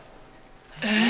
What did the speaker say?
えっ？